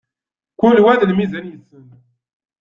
Kul wa d lmizan yessen.